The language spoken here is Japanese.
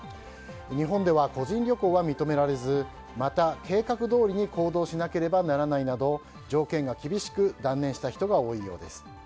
日本では個人旅行は認められずまた、計画どおりに行動しなければならないなど条件が厳しく断念した人が多いようです。